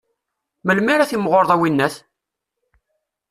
Melmi ara timɣureḍ, a winnat?